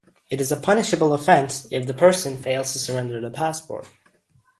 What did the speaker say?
It is a punishable offence if the person fails to surrender the passport.